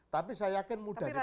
tapi saya yakin mudah mudahan